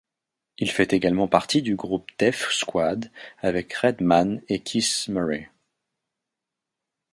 Il fait également partie du groupe Def Squad avec Redman et Keith Murray.